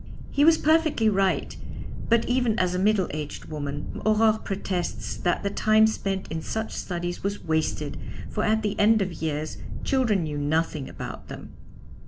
He was perfectly right, but even as a middle aged woman Aurore protests that the time spent in such studies was wasted, for at the end of years children knew nothing about them.